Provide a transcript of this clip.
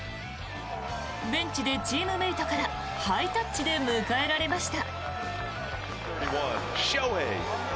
ベンチでチームメートからハイタッチで迎えられました。